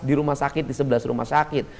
di rumah sakit di sebelas rumah sakit